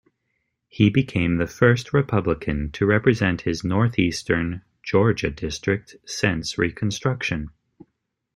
He became the first Republican to represent his northeastern Georgia district since Reconstruction.